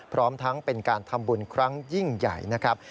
พร้อมทั้งเป็นการทำบุญครั้งยิ่งใหญ่นะครับ